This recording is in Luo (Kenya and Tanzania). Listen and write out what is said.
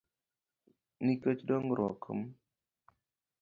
Nikech dongruok m